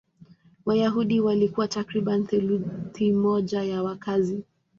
Wayahudi walikuwa takriban theluthi moja ya wakazi.